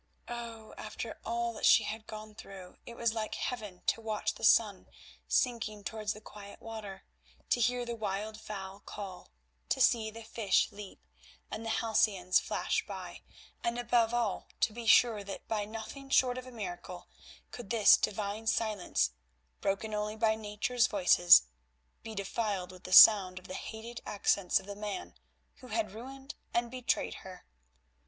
Oh! after all that she had gone through it was like heaven to watch the sun sinking towards the quiet water, to hear the wild fowl call, to see the fish leap and the halcyons flash by, and above all to be sure that by nothing short of a miracle could this divine silence, broken only by Nature's voices, be defiled with the sound of the hated accents of the man who had ruined and betrayed her.